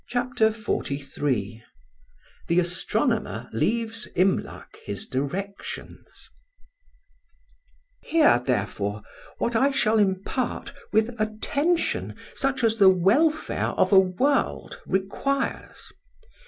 '" CHAPTER XLIII THE ASTRONOMER LEAVES IMLAC HIS DIRECTIONS. "'HEAR, therefore, what I shall impart with attention, such as the welfare of a world requires.